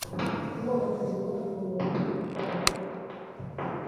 kuwa na msamiati wenye uzito sawa ugha